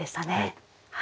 はい。